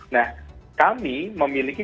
nah kami memiliki